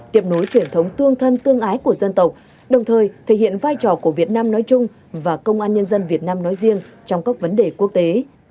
tiếp nối truyền thống tương thân tương ái của dân tộc đồng thời thể hiện vai trò của việt nam nói chung và công an nhân dân việt nam nói riêng trong các vấn đề quốc tế